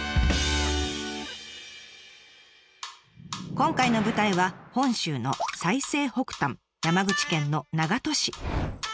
今回の舞台は本州の最西北端山口県の長門市。